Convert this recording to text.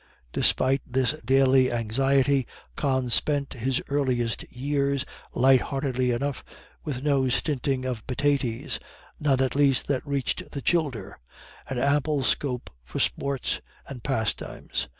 Despite this daily anxiety, Con spent his earliest years light heartedly enough, with no stinting of pitaties none at least that reached the childer and ample scope for sports and pastimes.